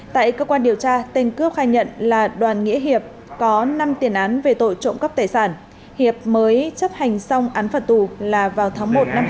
tại cơ quan điều tra tên cướp khai nhận là đoàn nghĩa hiệp có năm tiền án về tội trộm cắp tài sản hiệp mới chấp hành xong án phạt tù là vào tháng một năm hai nghìn hai mươi